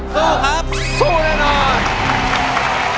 สู้ครับสู้แน่นอน